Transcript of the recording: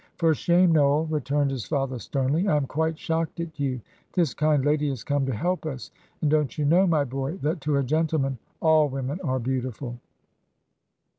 "For shame, Noel," returned his father, sternly. "I am quite shocked at you. This kind lady has come to help us; and don't you know, my boy, that to a gentleman all women are beautiful?"